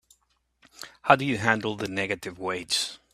How do you handle the negative weights?